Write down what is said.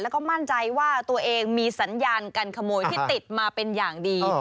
แล้วก็มั่นใจว่าตัวเองมีสัญญาการขโมยที่ติดมาเป็นอย่างดี